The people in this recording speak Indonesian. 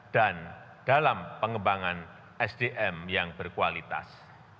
dan dalam pengembangan sdm yang berkualitas